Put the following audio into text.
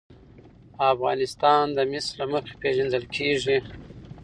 افغانستان د مس له مخې پېژندل کېږي.